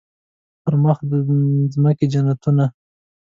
پر مخ د مځکي د جنتونو